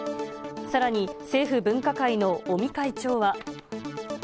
さらに、政府分科会の尾身会長は。